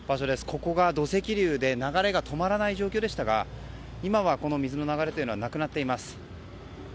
ここが土石流で流れが止まらない状況でしたが今は、この水の流れというのはなくなっています。